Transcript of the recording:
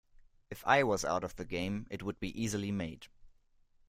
If I was out of the game it would be easily made.